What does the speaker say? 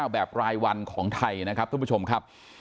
แบบรายวันของไทยนะครับท่านผู้ชมครับ